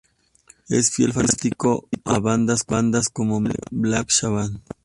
Es fiel fanático a bandas como Megadeth, Black Sabbath.